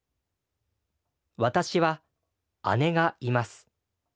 「私は姉がいます。